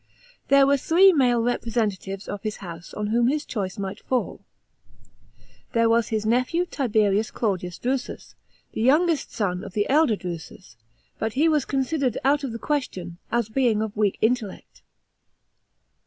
* There were three male representatives of his house on whom his choice might fall. There was his nephew Tiberius Claudius Drusus, the youngest son of the elder Drusus, but he was considered out of the question, as being of weak intellect.